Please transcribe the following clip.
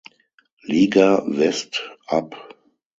Liga West ab.